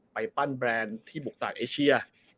ไปปั้นแบรนด์ของบุคตรไอเชีย